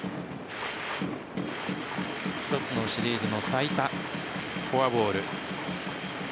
一つのシリーズの最多フォアボール。